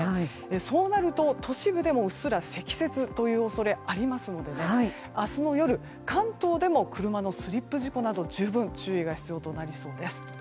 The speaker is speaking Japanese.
そうなると、都市部でもうっすら積雪という恐れがありますので明日の夜関東でも車のスリップ事故など十分注意が必要となりそうです。